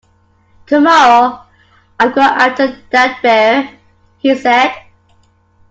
Tomorrow I'm going after that bear, he said.